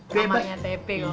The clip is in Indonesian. kamarnya tepek kok